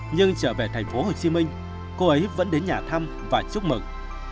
nhưng trở về thành phố hồ chí minh cô ấy vẫn đến nhà thăm và chúc mừng